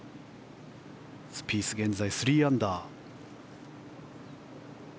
スピース現在、３アンダー。